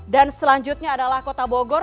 dan selanjutnya adalah kota bogor